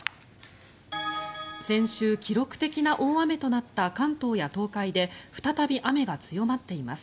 先週、記録的な大雨となった関東や東海で再び雨が強まっています。